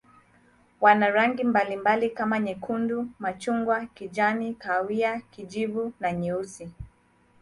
Wana rangi mbalimbali kama nyekundu, machungwa, kijani, kahawia, kijivu na nyeusi.